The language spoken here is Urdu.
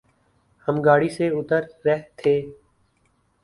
ہم گاڑی سے اتر رہ تھے